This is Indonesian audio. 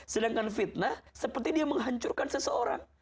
sedangkan fitnah seperti dia menghancurkan seseorang